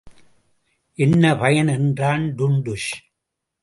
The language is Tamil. என்ன பயன்? என்றான் டுன்டுஷ்.